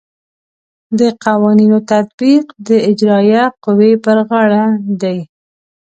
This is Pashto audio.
د قوانینو تطبیق د اجرائیه قوې پر غاړه دی.